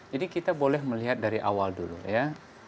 jadi kita boleh melihat dari awal dulu ya